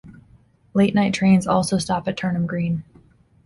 Late night trains also stop at Turnham Green.